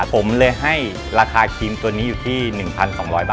ผมเลยให้ราคาครีมตัวนี้อยู่ที่๑๒๐๐บาท